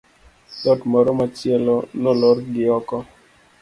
dhot moro machielo nolor gi oko